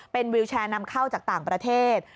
เป็นวิวแชร์นำเข้าจากต่างประเทศ